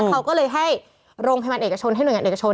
เขาก็เลยให้โรงพยาบาลเอกชนเท่านึกอย่างเอกชน